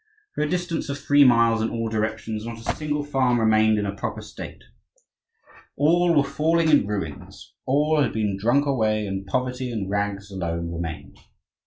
For a distance of three miles in all directions, not a single farm remained in a proper state. All were falling in ruins; all had been drunk away, and poverty and rags alone remained.